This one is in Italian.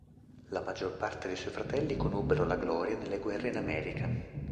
La maggior parte dei suoi fratelli conobbero la gloria nelle guerre in America.